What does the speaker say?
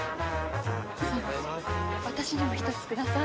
私にも１つください。